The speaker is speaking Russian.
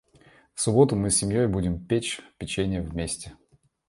В субботу мы с семьей будем печь печенье вместе.